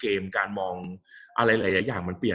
กับการสตรีมเมอร์หรือการทำอะไรอย่างเงี้ย